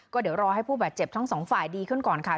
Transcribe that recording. ก็เดี๋ยวรอให้ผู้บาดเจ็บทั้งสองฝ่ายดีขึ้นก่อนค่ะ